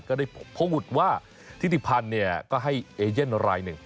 ก็ได้พกวุฒิว่าทิศิพันธ์เนี่ยก็ให้อาเจนรายนึง